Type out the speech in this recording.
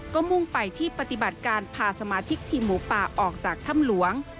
ก็มุ่งไปที่ปฏิบัติการพาสมาชิกทีมหมูป่าออกจากถ้ำหลวง